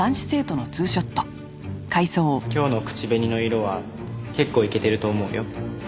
今日の口紅の色は結構イケてると思うよ。